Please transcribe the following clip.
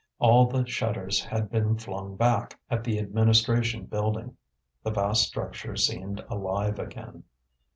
All the shutters had been flung back at the administration building, the vast structure seemed alive again.